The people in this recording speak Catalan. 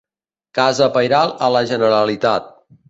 Casa pairal a la Generalitat.